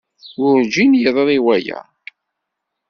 Werǧin yeḍri waya.